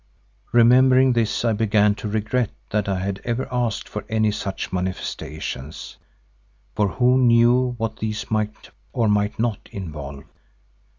Remembering this I began to regret that I had ever asked for any such manifestations, for who knew what these might or might not involve?